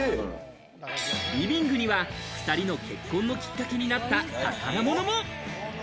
リビングには、２人の結婚のきっかけになった宝物も。